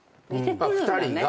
２人が？